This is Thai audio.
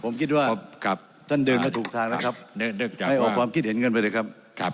ผมคิดว่าท่านเดินมาถูกทางแล้วครับไม่ออกความคิดเห็นกันไปเลยครับ